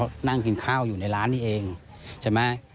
ก็นั่งกินข้าวอยู่ในร้านนี้เองใช่ไหม